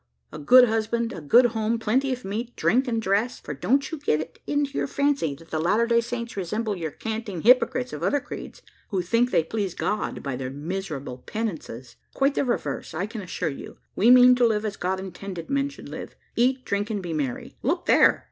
A good husband a good home plenty of meat, drink, and dress: for don't you get it into your fancy that the Latter Day Saints resemble your canting hypocrites of other creeds, who think they please God by their miserable penances. Quite the reverse, I can assure you. We mean to live as God intended men should live eat, drink, and be merry. Look there!"